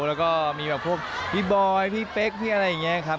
แล้วก็มีแบบพวกพี่บอยพี่เป๊กพี่อะไรอย่างนี้ครับ